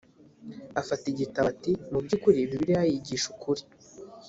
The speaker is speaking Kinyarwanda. afata igitabo ati mu by’ ukuri bibiliya yigisha ukuri